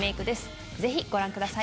ぜひご覧ください。